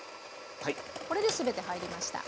これで全て入りました。